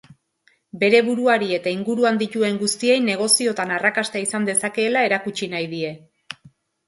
Bere buruari eta inguruan dituen guztiei negoziotan arrakasta izan dezakeela erakutsi nahi die.